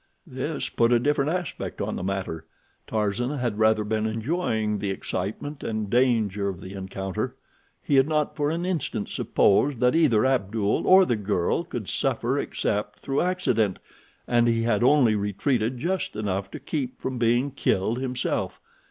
This put a different aspect on the matter. Tarzan had rather been enjoying the excitement and danger of the encounter. He had not for an instant supposed that either Abdul or the girl could suffer except through accident, and he had only retreated just enough to keep from being killed himself.